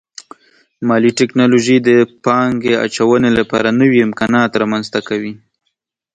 مالي ټکنالوژي د پانګې اچونې لپاره نوي امکانات رامنځته کوي.